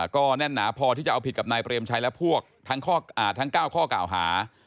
ก็แน่นหนาพอที่จะเอาผิดกับนายเปรมชัยและพวกทั้ง๙ข้อกล่าวหา